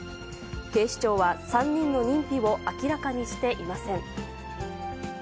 警視庁は、３人の認否を明らかにしていません。